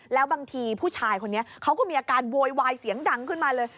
แล้วบางทีผู้ชายคนนี้เขาก็มีอาการโวยวายเสียงดังขึ้นมาเลย